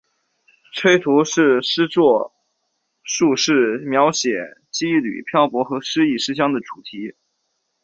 崔涂是诗作多数是描写羁旅漂泊和失意思乡的主题。